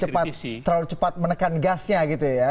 jadi terlalu cepat menekan gasnya gitu ya